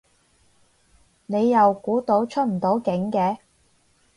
你又估到出唔到境嘅